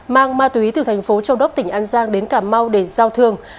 mang ma túy từ thành phố châu đốc tỉnh an giang đến cà mau để giao thương